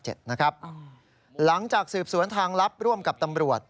หลังจากสืบสวนทางลับร่วมกับตำรวจ